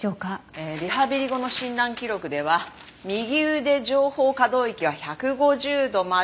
えリハビリ後の診断記録では右腕上方可動域は１５０度まで。